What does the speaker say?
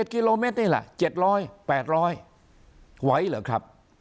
กิโลเมตรนี่แหละ๗๐๐๘๐๐ไหวเหรอครับ